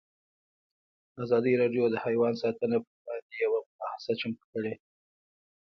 ازادي راډیو د حیوان ساتنه پر وړاندې یوه مباحثه چمتو کړې.